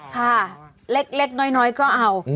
ค่ะเล็กน้อยก็เอา